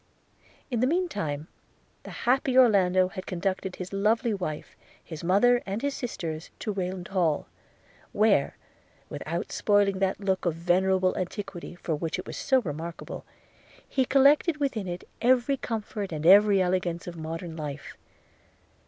In the mean time the happy Orlando had conducted his lovely wife, his mother and his sisters, to Rayland Hall; where, without spoiling that look of venerable antiquity for which it was so remarkable, he collected within it every comfort and every elegance of modern life.